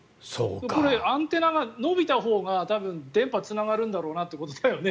アンテナが伸びたほうが電波がつながるんだろうなってことだよね。